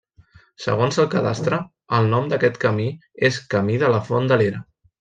Segons el Cadastre, el nom d'aquest camí és Camí de la Font de l'Era.